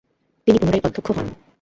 তিনি পুনরায় অধ্যক্ষ হন।